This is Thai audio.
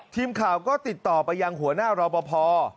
ทีมข่าวก็ติดต่อไปยังหัวหน้ารอปภ